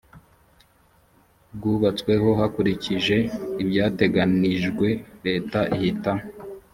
bwubatsweho hakurikije ibyateganyijwe leta ihita